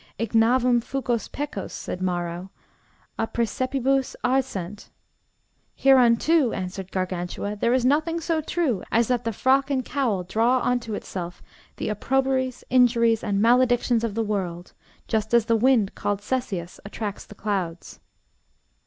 Ignavum fucos pecus, said Maro, a praesepibus arcent. Hereunto, answered Gargantua, there is nothing so true as that the frock and cowl draw unto itself the opprobries, injuries, and maledictions of the world, just as the wind called Cecias attracts the clouds.